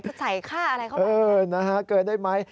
จะใส่ค่าอะไรเข้ามาเกินได้ไหม